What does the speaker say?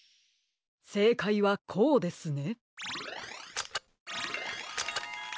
せいかいはこうですね。